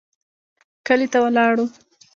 کلي ته ولاړو.